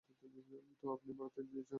তো আপনি বার্তা দিতে চান?